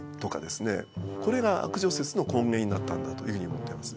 これが悪女説の根源になったんだというふうに思ってます。